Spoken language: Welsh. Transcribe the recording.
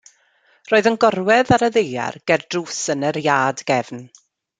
Roedd yn gorwedd ar y ddaear ger drws yn yr iard gefn.